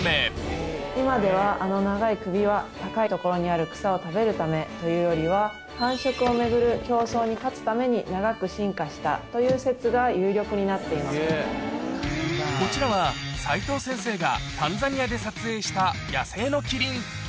今では、あの長い首は高い所にある草を食べるためというよりは、繁殖を巡る競争に勝つために長く進化したという説が有力になってこちらは、齋藤先生がタンザニアで撮影した野生のキリン。